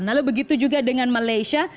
lalu begitu juga dengan malaysia